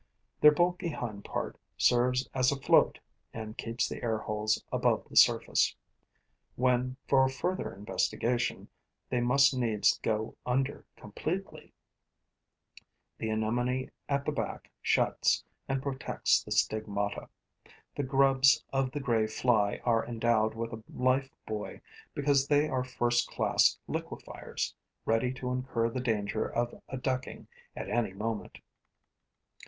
Their bulky hind part serves as a float and keeps the air holes above the surface. When, for further investigation, they must needs go under completely, the anemone at the back shuts and protects the stigmata. The grubs of the gray fly are endowed with a life buoy because they are first class liquefiers, ready to incur the danger of a ducking at any moment.